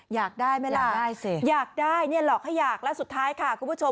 อยากได้ไหมล่ะได้สิอยากได้เนี่ยหลอกให้อยากแล้วสุดท้ายค่ะคุณผู้ชม